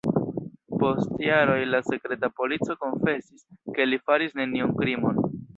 Post jaroj la sekreta polico konfesis, ke li faris neniun krimon.